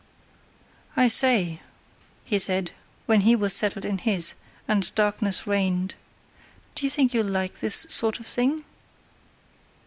"I say," he said, when he was settled in his, and darkness reigned, "do you think you'll like this sort of thing?"